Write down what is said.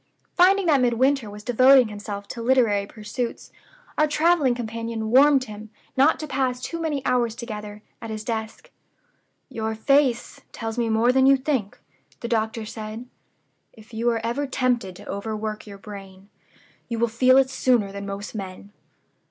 Finding that Midwinter was devoting himself to literary pursuits, our traveling companion warned him not to pass too many hours together at his desk. 'Your face tells me more than you think,' the doctor said: 'If you are ever tempted to overwork your brain, you will feel it sooner than most men.